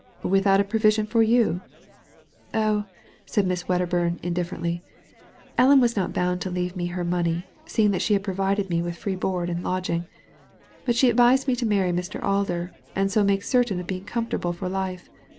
•* Without a provision for you ?"•* Oh," said Miss Wedderburn, indifferently, " EUen was not bound to leave me her money, seeing that she had provided me with free board and lodging. But she advised me to marry Mn Alder, and so make certain of being comfortable for life.